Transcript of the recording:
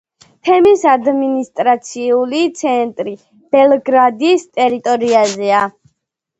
თემის ადმინისტრაციული ცენტრი ბელგრადის ტერიტორიაზეა.